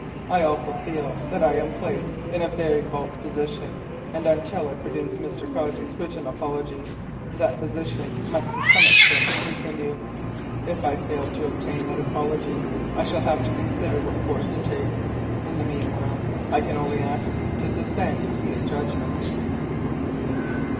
I also feel that I am placed in a very false position, and until I produce Mr. Cossey's written apology, that position must to some extent continue. If I fail to obtain that apology, I shall have to consider what course to take. In the meanwhile I can only ask you to suspend your judgment."